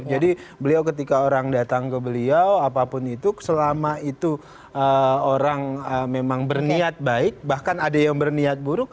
jadi beliau ketika orang datang ke beliau apapun itu selama itu orang memang berniat baik bahkan ada yang berniat buruk